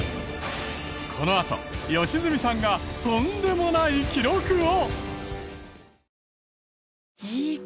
このあと良純さんがとんでもない記録を。